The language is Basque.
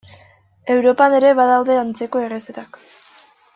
Europan ere badaude antzeko errezetak.